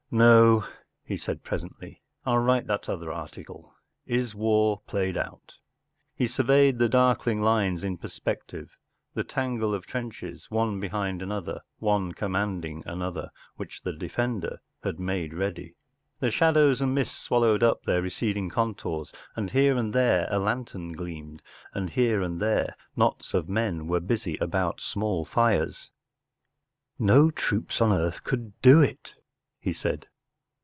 ” “ No,” he said, presently ; “ I’ll write that other article, ‘ Is War Played Out ? ’ ” He surveyed the darkling lines in per¬ spective, the tangle of trenches one behind another, one commanding another, which the defender had made ready. The shadows and mists swallowed up their receding con¬ tours, and here and there a lantern gleamed, and here and there knots of men were busy about small fires. “ No troops on earth could do it,” he said.